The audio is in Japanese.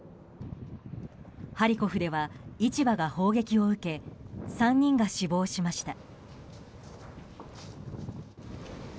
ハリコフでは市場が砲撃を受け３人が死亡しました。